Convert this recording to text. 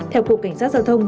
theo cục cảnh sát giao thông